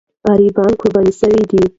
غریبان قرباني سوي دي.